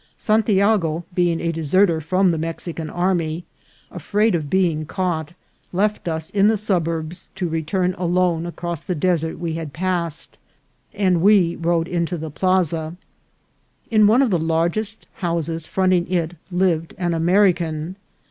Santiago, being a deserter from the Mexican army, afraid of being caught, left us in the suburbs to return alone across the desert we had pass ed, and we rode into the plaza. In one of the largest houses fronting it lived an American.